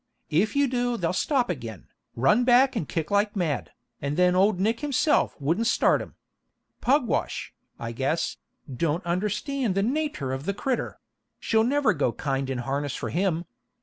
If you do they'll stop again, run back and kick like mad, and then Old Nick himself wouldn't start 'em. Pugwash, I guess, don't understand the natur' of the crittur; she'll never go kind in harness for him.